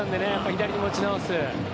左に持ち直す。